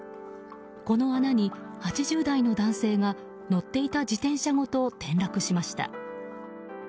この穴に８０代の男性が乗っていた自転車ごと転落しました。